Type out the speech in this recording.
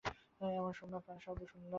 এমন সময় পায়ের শব্দ শুনলুম।